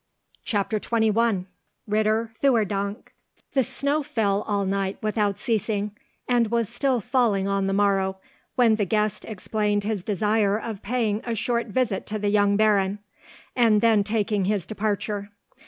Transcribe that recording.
CHAPTER XXI RITTER THEURDANK THE snow fell all night without ceasing, and was still falling on the morrow, when the guest explained his desire of paying a short visit to the young Baron, and then taking his departure.